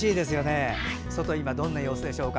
外は今どんな様子でしょうか。